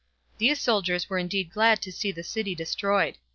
These soldiers were indeed glad to see the city destroyed.